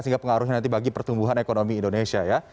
sehingga pengaruhnya nanti bagi pertumbuhan ekonomi indonesia ya